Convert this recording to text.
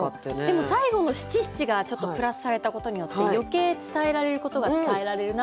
でも最後の七七がちょっとプラスされたことによって余計伝えられることが伝えられるなっていう。